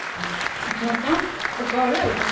さくらちゃんお代わりはよかと？